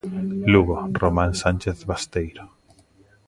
Lugo, Román Sánchez Basteiro.